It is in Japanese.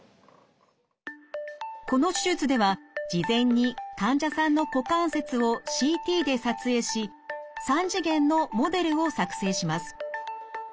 この手術では事前に患者さんの股関節をＣＴで撮影し３次元のモデルを作成します。